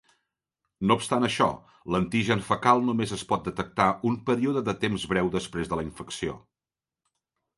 No obstant això, l'antigen fecal només es pot detectar un període de temps breu després de la infecció.